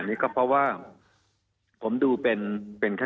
มีความรู้สึกว่ามีความรู้สึกว่า